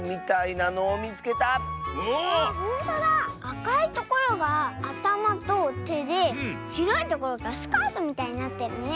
あかいところがあたまとてでしろいところがスカートみたいになってるね。